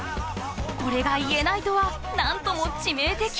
これが言えないとは何とも致命的！